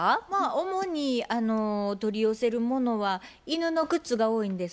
主に取り寄せるものは犬のグッズが多いんです。